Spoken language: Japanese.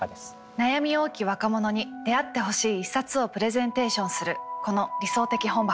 悩み多き若者に出会ってほしい一冊をプレゼンテーションするこの「理想的本箱」。